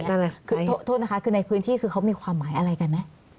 อะไรคือโทษนะคะคือในพื้นที่คือเขามีความหมายอะไรกันไหม